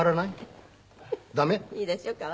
いいですよ